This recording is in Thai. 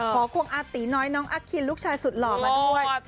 เพราะควรอาติน้อยน้องอาคินลูกชายสุดหล่อมาด้วย